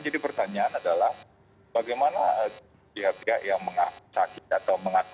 jadi pertanyaan adalah bagaimana pihak pihak yang mengatakan sakit